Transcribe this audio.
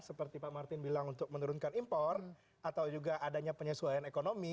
seperti pak martin bilang untuk menurunkan impor atau juga adanya penyesuaian ekonomi